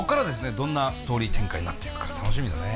どんなストーリー展開になっていくか楽しみだね。